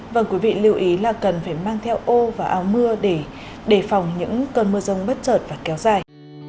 vâng quý vị lưu ý là cần phải mang theo ô và áo mưa để đề phòng những cơn mưa rông bất chợt và kéo dài